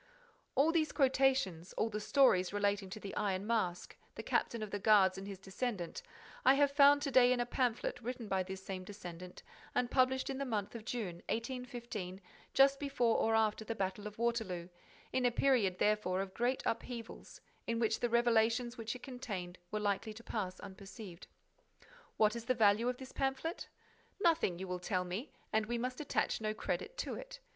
All these quotations, all the stories relating to the Iron Mask, the captain of the guards and his descendant, I have found to day in a pamphlet written by this same descendant and published in the month of June, 1815, just before or just after the battle of Waterloo, in a period, therefore, of great upheavals, in which the revelations which it contained were likely to pass unperceived. What is the value of this pamphlet? Nothing, you will tell me, and we must attach no credit to it.